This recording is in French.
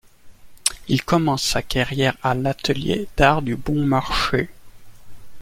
Il commence sa carrière à l'atelier d'art du Bon Marché.